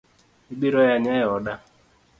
Ibiro yanya e oda .